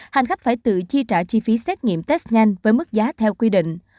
hành khách phải tự chi trả chi phí xét nghiệm test nhanh với mức giá theo quy định